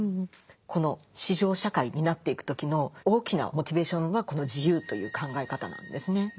この市場社会になっていく時の大きなモチベーションはこの自由という考え方なんですね。